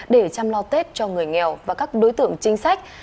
để chăm lo tết cho người nghèo và các đối tượng chính sách